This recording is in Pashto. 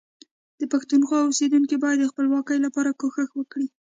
د پښتونخوا اوسیدونکي باید د خپلواکۍ لپاره کوښښ وکړي